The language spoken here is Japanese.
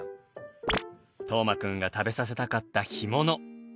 斗真くんが食べさせたかった干物。